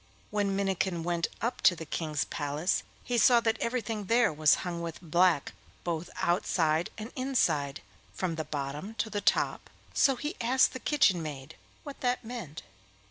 When Minnikin went up to the King's palace he saw that everything there was hung with black both outside and inside, from the bottom to the top; so he asked the kitchen maid what that meant.